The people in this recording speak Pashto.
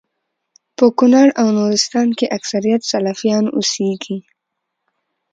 په کونړ او نورستان کي اکثريت سلفيان اوسيږي